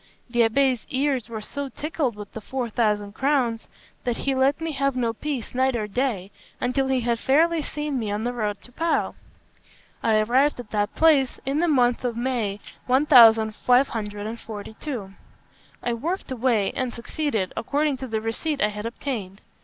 The abbé's ears were so tickled with the four thousand crowns, that he let me have no peace night or day until he had fairly seen me on the road to Pau. I arrived at that place in the month of May 1542. I worked away, and succeeded, according to the receipt I had obtained.